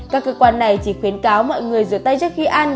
các cơ quan này chỉ khuyến cáo mọi người rửa tay trước khi ăn